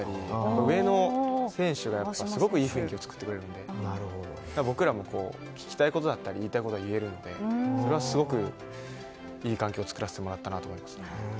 上の選手がすごくいい雰囲気を作ってくれるので僕らも、聞きたいことだったり言いたいこと言えるのですごくいい関係を作らせてもらったなと思います。